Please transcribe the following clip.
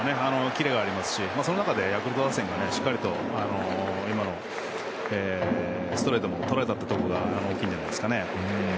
キレがありますしその中でヤクルト打線がしっかりと今のストレートも捉えたところが大きいんじゃないですかね。